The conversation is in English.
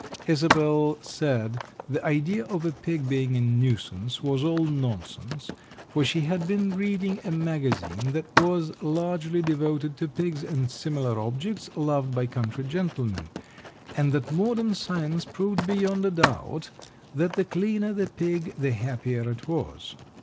Isobel said the idea of a pig being a nuisance was all nonsense, for she had been reading a magazine that was largely devoted to pigs and similar objects loved by country gentlemen, and that modern science proved beyond a doubt that the cleaner the pig the happier it was.